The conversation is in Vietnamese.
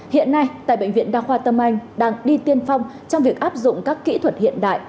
hiện nay tại bệnh viện đa khoa tâm anh đang đi tiên phong trong việc áp dụng các kỹ thuật hiện đại